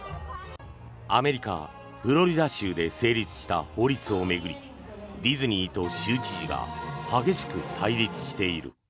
アメリカ・フロリダ州で成立した法律を巡りディズニーと州知事が激しく対立している。